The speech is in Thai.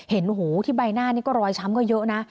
หูที่ใบหน้านี่ก็รอยช้ำก็เยอะนะ